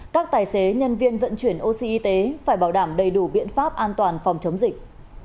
các tài xế nhân viên vận chuyển oxy y tế phải bảo đảm đầy đủ biện pháp an toàn phòng chống dịch